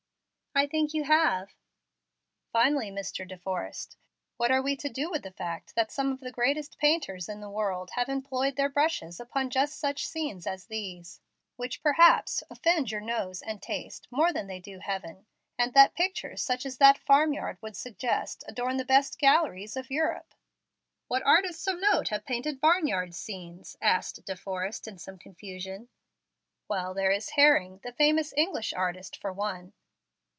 "I think you have." "Finally, Mr. De Forrest, what are we to do with the fact that some of the greatest painters in the world have employed their brushes upon just such scenes as these, which perhaps offend your nose and taste more than they do heaven, and that pictures such as that farm yard would suggest adorn the best galleries of Europe?" "What artists of note have painted barn yard scenes?" asked De Forrest, in some confusion. "Well, there is Herring, the famous English artist, for one."